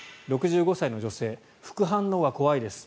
６５歳の女性副反応が怖いです